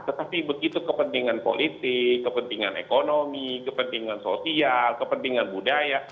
tetapi begitu kepentingan politik kepentingan ekonomi kepentingan sosial kepentingan budaya